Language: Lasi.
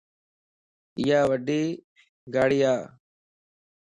ايا وڊي ڳاڙي ا